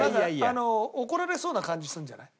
あの怒られそうな感じするんじゃない？